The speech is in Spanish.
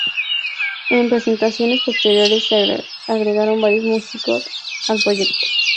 En presentaciones posteriores se agregaron varios músicos al proyecto.